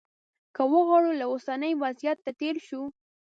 که وغواړو له اوسني وضعیته تېر شو.